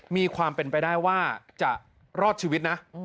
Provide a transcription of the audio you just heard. มีความเป็นไปได้ว่าจะรอดชีวิตนะ